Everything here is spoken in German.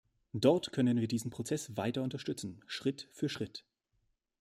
Dort können wir diesen Prozess weiter unterstützen, Schritt für Schritt.